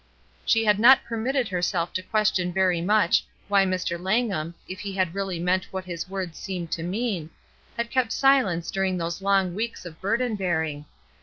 She had not permitted herself to question very much why Mr. Langham, if he had really meant what his words seemed to mean, had kept silence during these long weeks of burden bearing.